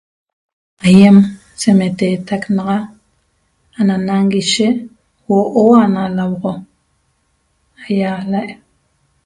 Aiem se meteteq naxa ana nañiguishe huoo na nahuoxo ialaa